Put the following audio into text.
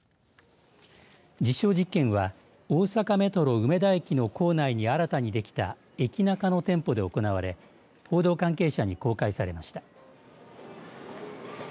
実証実験は大阪メトロ梅田駅の構内に新たにできた駅ナカの店舗で行われ報道関係者に公開されました。